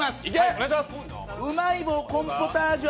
うまい棒コーンポタージュ